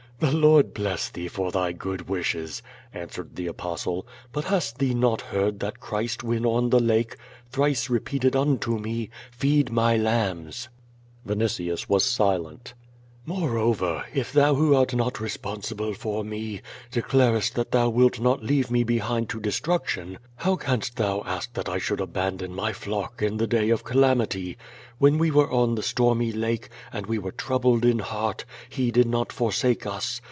"The Lord bless thee for thy good wishes," answered the Apostle, '^ut hast thee not heard that Christ when on the lake thrice repeated unto me, ^Teed my lambs?" QUO VADI8. 351 Vinitius was silent. "Moreover, if thou who art not responeibb for me, de clarest that thou wilt not leave me behind to destruction, how canst thou nsk that I should abandon my flock in the day of calamity? AVhen we were on the stormy lake, and we were troubled in heart, He did not forsake us.